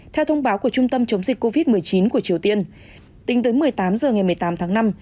theo thông báo của trung tâm chống dịch covid một mươi chín của triều tiên tính tới một mươi tám h ngày một mươi tám tháng năm